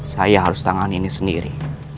saya harus tangani ini sendiri